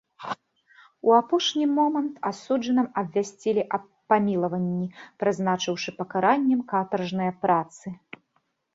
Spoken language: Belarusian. У апошні момант асуджаным абвясцілі аб памілаванні, прызначыўшы пакараннем катаржныя працы.